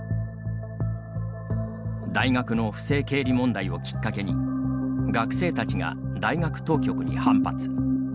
大学の不正経理問題をきっかけに学生たちが大学当局に反発。